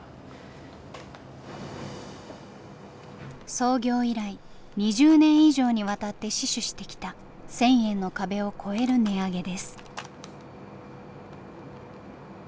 創業以来２０年以上にわたって死守してきた１，０００円の壁を超える値上げです。